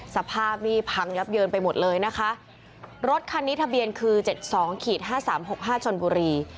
สภาพนี่พังยับเยินไปหมดเลยนะคะรถคันนี้ทะเบียนคือเจ็ดสองขีดห้าสามหกห้าชนบุรี